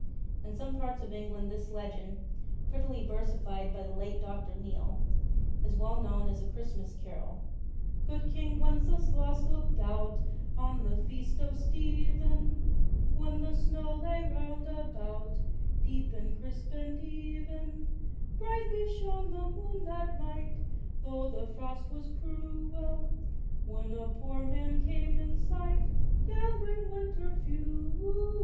In some parts of England this legend, prettily versified by the late Dr. Neale, is well known as a Christmas carol : Good King Wenceslaus looked out on the Feast of Stephen, When the snow lay round about, deep and crisp and even ; Brightly shone the moon that night, though the frost was cruel, When a poor man came in sight gath'ring winter fuel.